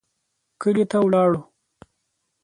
کلي ته ولاړو.